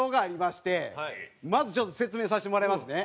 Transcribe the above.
まずちょっと説明させてもらいますね。